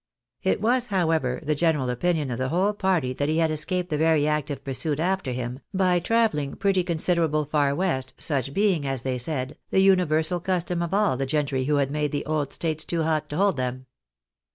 It was, however, the general opinion of the whole party that he had escaped the very active pursuit after him, by travelling " pretty considerable far 836 THE BARXABYS IN AMERICA. west," such being, as they said, tlie universal custom of all the gentrj who had made the " Old States" too hot to hold them.